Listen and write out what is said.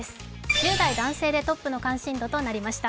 １０代男性でトップの関心度となりました。